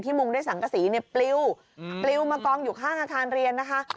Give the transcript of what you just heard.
ที่มุมด้วยสังกะสีปลิ้วปลิ้วมากองอยู่ข้างอาคารเรียนนะคะ